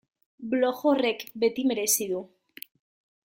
Blog horrek beti merezi du.